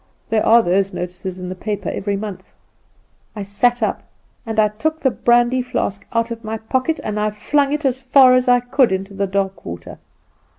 There are those notices in the paper every month. I sat up, and I took the brandy flask out of my pocket, and I flung it as far as I could into the dark water.